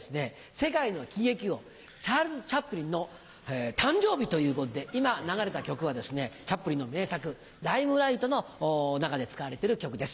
世界の喜劇王チャールズ・チャップリンの誕生日ということで今流れた曲はですねチャップリンの名作『ライムライト』の中で使われてる曲です。